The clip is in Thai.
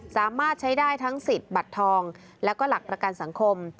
สามารถใช้ได้ทั้งสิทธิ์บัตรทองแล้วก็หลักประกันสังคม